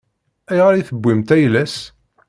Ayɣer i tewwimt ayla-s?